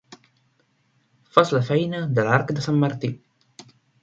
Fas la feina de l'arc de sant Martí.